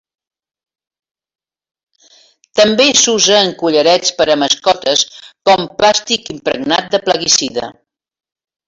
També s'usa en collarets per a mascotes, com plàstic impregnat de plaguicida.